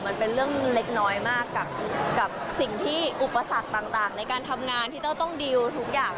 มันเป็นเรื่องเล็กน้อยมากกับสิ่งที่อุปสรรคต่างในการทำงานที่เต้าต้องดีลทุกอย่าง